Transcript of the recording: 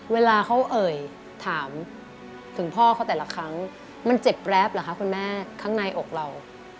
เวลาเขาเอ่ยถามถึงพ่อเขาแต่ละครั้งมันเจ็บแรปเหรอคะคุณแม่ข้างในอกเรา